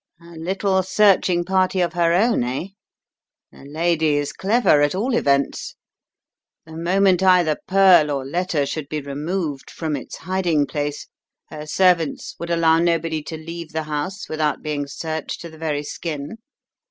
"A little searching party of her own, eh? The lady is clever, at all events. The moment either pearl or letter should be removed from its hiding place her servants would allow nobody to leave the house without being searched to the very skin?"